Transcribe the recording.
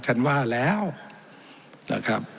ท่านว่าแล้วนะครับ